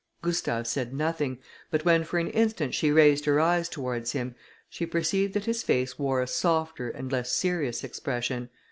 Gustave said nothing, but when for an instant she raised her eyes towards him, she perceived that his face wore a softer and less serious expression.